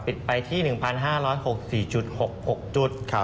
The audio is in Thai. ปิดไปที่๑๕๖๔๖๖จุด